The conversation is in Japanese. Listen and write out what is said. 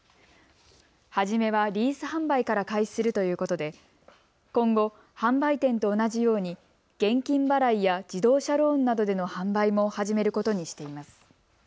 初めはリース販売から開始するということで今後、販売店と同じように現金払いや自動車ローンなどでの販売も始めることにしています。